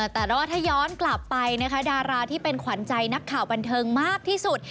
แต่ว่าถ้าย้อนกลับไปนะคะดาราที่เป็นขวัญใจนักข่าวบันเทิงมากที่สุด